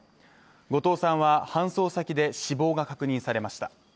後藤さんは搬送先で死亡が確認されました。